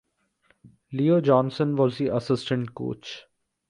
Leo Johnson was the assistant coach.